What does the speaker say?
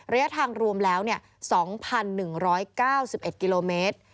ระยะทางรวมแล้ว๒๑๙๑กิโลเมตร